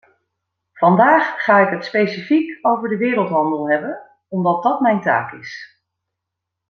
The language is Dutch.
Vandaag ga ik het specifiek over de wereldhandel hebben, omdat dat mijn taak is.